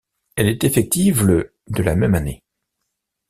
Elle est effective le de la même année.